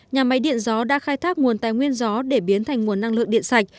nhà máy điện gió đã khai thác nguồn tài nguyên gió để biến thành nguồn năng lượng điện sạch